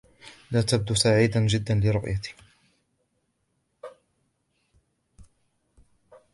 لا تبدو سعيدا جدا لرؤيتي.